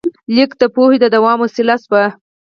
لیک د پوهې د دوام وسیله شوه.